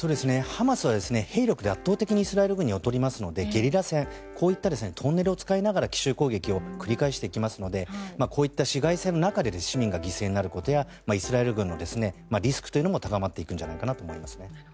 ハマスは兵力で圧倒的にイスラエル軍に劣りますのでゲリラ戦トンネルを使いながら奇襲攻撃を繰り返してきますのでこういった市街戦の中で市民が犠牲になることやイスラエル軍のリスクというのも高まっていくんじゃないかと思います。